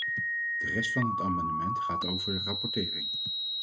De rest van het amendement gaat over rapportering.